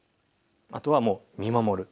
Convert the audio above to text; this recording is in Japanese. あとはもう見守る。